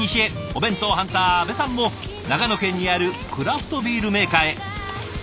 お弁当ハンター阿部さんも長野県にあるクラフトビールメーカーへ。